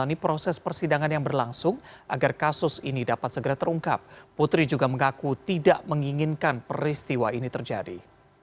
untuk ibu nda yosua beserta keluarga atas peristiwa ini